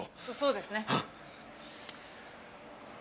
そそうですね。